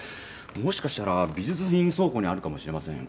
もしかしたら美術品倉庫にあるかもしれません。